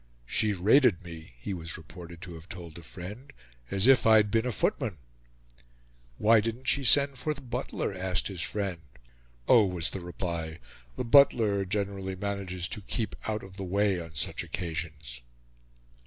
"She rated me," he was reported to have told a friend, "as if I'd been a footman." "Why didn't she send for the butler?" asked his friend. "Oh," was the reply, "the butler generally manages to keep out of the way on such occasions."